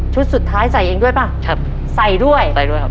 สุดท้ายใส่เองด้วยป่ะครับใส่ด้วยใส่ด้วยครับ